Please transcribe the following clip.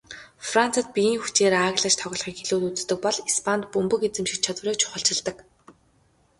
Францад биеийн хүчээр ааглаж тоглохыг илүүд үздэг бол Испанид бөмбөг эзэмших чадварыг чухалчилдаг.